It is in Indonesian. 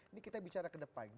ini kita bicara ke depan